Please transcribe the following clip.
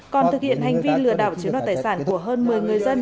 còn thực hiện hành vi lừa đảo chiếm đoạt tài sản của hơn một mươi người dân